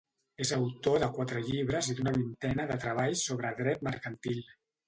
És autor de quatre llibres i d'una vintena de treballs sobre dret mercantil.